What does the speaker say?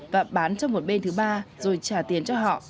và bán cho một bên thứ ba rồi trả tiền cho họ